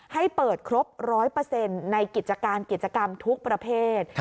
ให้เปิดครบ๑๐๐ในกิจการกิจกรรมทุกประเภท